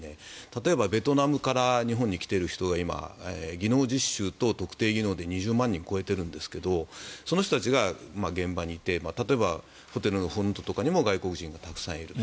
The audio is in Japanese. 例えば、ベトナムから日本に来ている人が今、技能実習等特定技能で２０万人を超えているんですがその人たちが現場にいて例えばホテルのフロントとかにも外国人がたくさんいる。